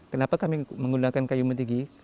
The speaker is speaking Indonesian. kenapa kami menggunakan kayu mentigi